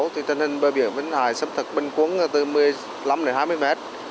thì tình hình bờ biển vinh hải xâm thực bình cuốn từ một mươi năm hai mươi mét